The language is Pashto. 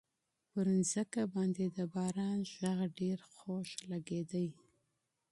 پر مځکي باندي د باران غږ ډېر خوږ لګېدی.